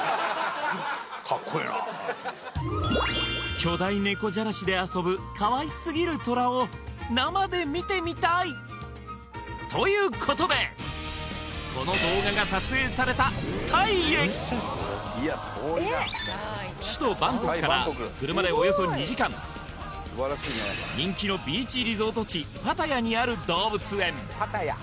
巨大猫じゃらしで遊ぶかわいすぎるトラを生で見てみたいということでこの動画が撮影されたタイへ首都バンコクから車でおよそ２時間にある動物園